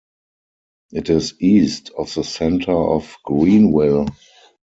It is east of the center of Greenville.